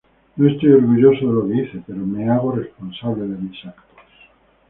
No estoy orgulloso de lo que hice, pero me hago responsable de mis actos.